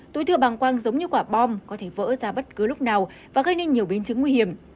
túi thừa bàng quang giống như quả bom có thể vỡ ra bất cứ lúc nào và gây nên nhiều biến chứng nguy hiểm